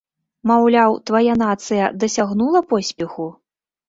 Маўляў, твая нацыя дасягнула поспеху?